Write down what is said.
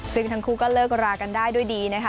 ซึ่งทั้งคู่ก็เลิกรากันได้ด้วยดีนะคะ